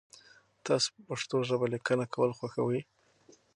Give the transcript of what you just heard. تاسو په پښتو ژبه لیکنه کول خوښوئ؟